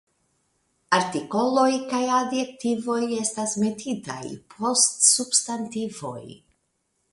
Artikoloj kaj adjektivoj estas metitaj post substantivoj.